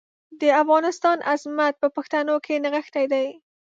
د افغانستان عظمت په پښتنو کې نغښتی دی.